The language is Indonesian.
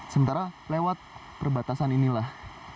sementara lewat perbatasan inilah